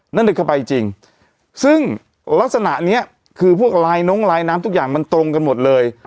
นั่นเลยเข้าไปจริงซึ่งลักษณะเนี้ยคือพวกลายน้องลายน้ำทุกอย่างมันตรงกันหมดเลย